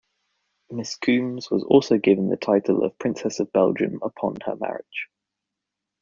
Miss Coombs was also given the title of Princess of Belgium upon her marriage.